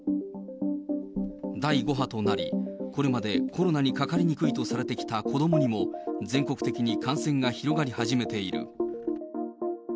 第５波となり、これまでコロナにかかりにくいとされてきた子どもにも、全国的に感染が広がり始めている。